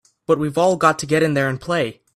But we've all got to get in there and play!